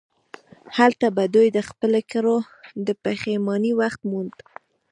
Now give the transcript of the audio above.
هلته به دوی د خپلو کړو د پښیمانۍ وخت موند.